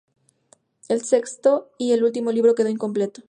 El sexto y último libro quedó incompleto.